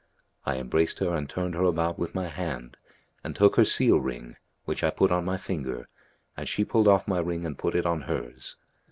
I embraced her and turned her about with my hand and took her seal ring, which I put on my finger, and she pulled off my ring and put it on hers.